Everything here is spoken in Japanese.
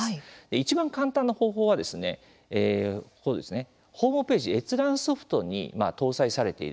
いちばん簡単な方法はホームページ閲覧ソフトに搭載されている